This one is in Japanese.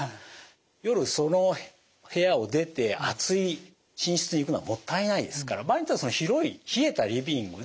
夜その部屋を出て暑い寝室に行くのはもったいないですから場合によってはその広い冷えたリビングで